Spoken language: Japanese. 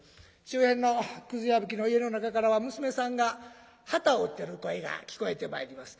周辺のくずやぶきの家の中からは娘さんが機を織ってる声が聞こえてまいります。